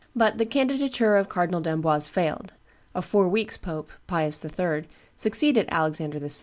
But the candidature of Cardinal d'Amboise failed; a four weeks' pope, Pius III., succeeded Alexander VI.